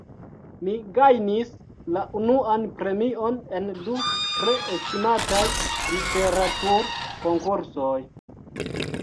Mi gajnis la unuan premion en du tre estimataj literaturkonkursoj.